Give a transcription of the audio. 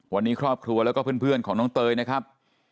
วันนี้ครอบครัวแล้วก็เพื่อนของน้องเตยนะครับ